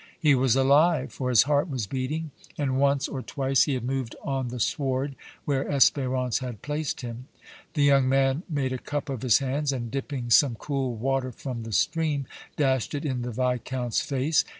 He was alive, for his heart was beating, and once or twice he had moved on the sward where Espérance had placed him. The young man made a cup of his hands, and, dipping some cool water from the stream, dashed it in the Viscount's face.